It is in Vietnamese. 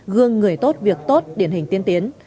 gương người tốt việc tốt điển hình tiên tiến